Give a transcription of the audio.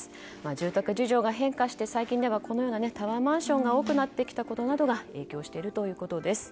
住宅事情が変化して最近では、このようなタワーマンションが多くなっていることなどが影響しているということです。